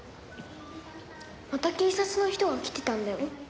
また警察の人が来てたんだよ。